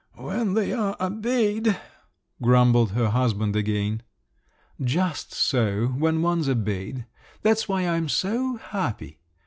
"When you're obeyed," grumbled her husband again. "Just so, when one's obeyed! That's why I'm so happy!